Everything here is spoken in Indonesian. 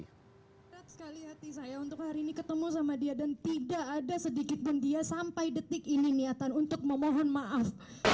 berat sekali hati saya untuk hari ini ketemu sama dia dan tidak ada sedikit pun dia sampai detik ini niatan untuk memohon maaf